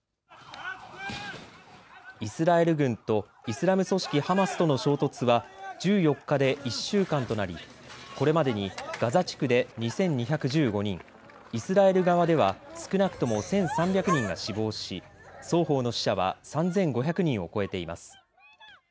イスラエル軍とイスラム組織ハマスとの衝突は１４日で１週間となりこれまでにガザ地区で２２１５人イスラエル側では少なくとも１３００人が死亡し双方の死者は３５００人を超えています。